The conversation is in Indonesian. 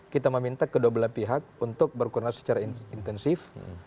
kita meminta kedua belah pihak untuk berkoordinasi secara intensif